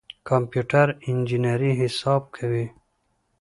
کمپيوټر انجنيري حساب کوي.